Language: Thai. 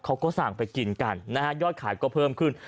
เขาก็สั่งไปกินกันนะฮะยอดขายก็เพิ่มขึ้น